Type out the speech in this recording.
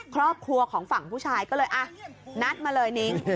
ครอบครัวของฝั่งผู้ชายก็เลยนัดมาเลยนิ้ง